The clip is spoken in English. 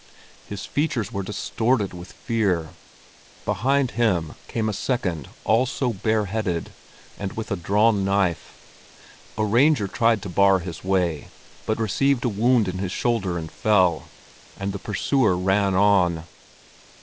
His features were distorted with fear. Behind him came a second, also bareheaded, and with a drawn knife. A ranger tried to bar his way, but received a wound in his shoulder and fell, and the pursuer ran on.